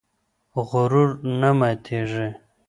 غرور نه ماتېږي.